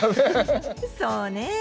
そうね。